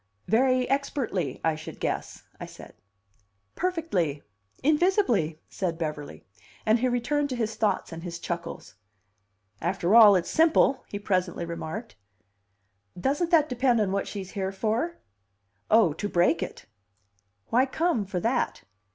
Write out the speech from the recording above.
"Very expertly, I should guess," I said. "Perfectly; invisibly," said Beverly. And he returned to his thoughts and his chuckles. "After all, it's simple," he presently remarked. "Doesn't that depend on what she's here for?" "Oh, to break it." "Why come for that?"